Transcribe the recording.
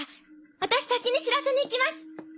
私先に知らせに行きます。